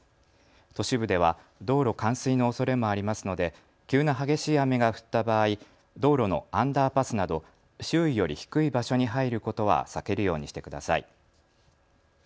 都市部では道路冠水のおそれもありますので急な激しい雨が降った場合、道路のアンダーパスなど周囲より低い場所に入ることは避けるようにしてください。